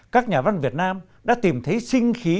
các nhà văn việt nam đã tìm thấy sinh khí